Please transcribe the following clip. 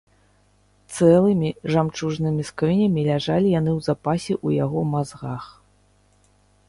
Цэлымі жамчужнымі скрынямі ляжалі яны ў запасе ў яго мазгах.